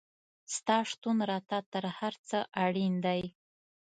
ستا شتون راته تر هر څه اړین دی